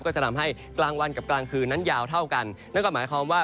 ก็จะทำให้กลางวันกับกลางคืนนั้นยาวเท่ากันนั่นก็หมายความว่า